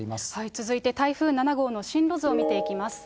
続いて、台風７号の進路図を見ていきます。